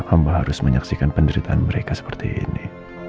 hamba harus menyaksikan penderitaan mereka seperti ini